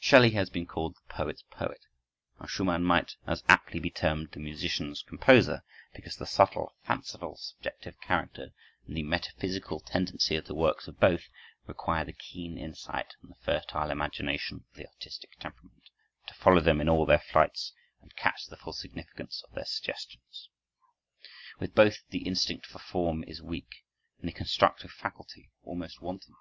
Shelley has been called the poet's poet, and Schumann might as aptly be termed the musician's composer; because the subtle, fanciful, subjective character and the metaphysical tendency of the works of both require the keen insight and the fertile imagination of the artistic temperament, to follow them in all their flights and catch the full significance of their suggestions. With both, the instinct for form is weak, and the constructive faculty almost wanting.